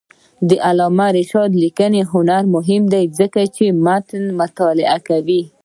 د علامه رشاد لیکنی هنر مهم دی ځکه چې متني مطالعات کوي.